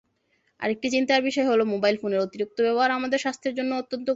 আরেকটি চিন্তার বিষয় হলো, মোবাইল ফোনের অতিরিক্ত ব্যবহার আমাদের স্বাস্থ্যের জন্যও অত্যন্ত ক্ষতিকর।